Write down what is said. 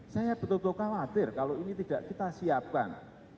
saya betul betul khawatir kalau ini tidak kita siapkan